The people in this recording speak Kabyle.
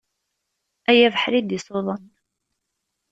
Ay abeḥri i d-isuḍen